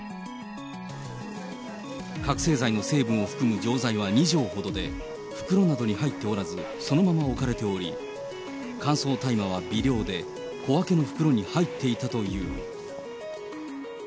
覚醒剤の成分を含む錠剤は２錠ほどで、袋などに入っておらず、そのまま置かれており、乾燥大麻は微量で、小分けの袋に入っていたという。